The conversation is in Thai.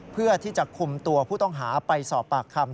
เพื่อที่จะคุมตัวผู้ต้องหาไปสอบปากคำ